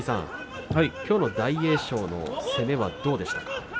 きょうの大栄翔の攻めはどうでしたか。